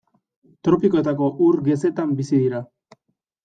Tropikoetako ur gezetan bizi dira.